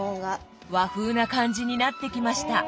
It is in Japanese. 和風な感じになってきました。